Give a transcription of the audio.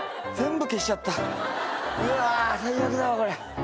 うわ最悪だわこれ。